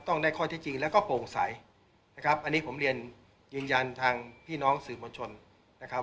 ได้ข้อที่จริงแล้วก็โปร่งใสนะครับอันนี้ผมเรียนยืนยันทางพี่น้องสื่อมวลชนนะครับ